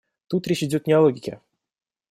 Тут речь идет не о логике.